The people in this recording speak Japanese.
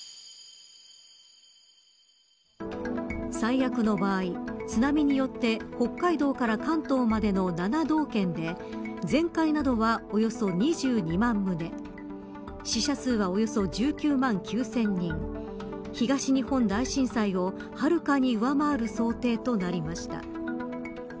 最悪の場合津波によって北海道から関東までの７道県で全壊などはおよそ２２万棟死者数はおよそ１９万９０００人東日本大震災をはるかに上回る想定となりました。